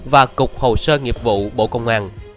và cục hồ sơ nghiệp vụ bộ công an